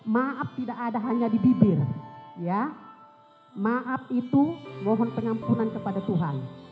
maaf tidak ada hanya di bibir ya maaf itu mohon pengampunan kepada tuhan